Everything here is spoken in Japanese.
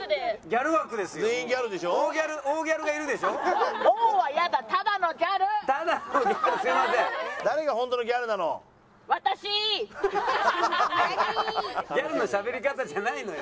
ギャルのしゃべり方じゃないのよ。